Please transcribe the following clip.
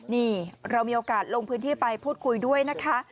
นี่เรามีโอกาสลงพื้นที่ไปพูดคุยด้วยนะคะ